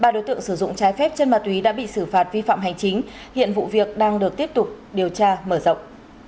ba đối tượng sử dụng trái phép chân ma túy đã bị xử phạt vi phạm hành chính hiện vụ việc đang được tiếp tục điều tra mở rộng